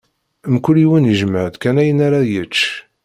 Mkul yiwen ijmeɛ-d kan ayen ara yečč.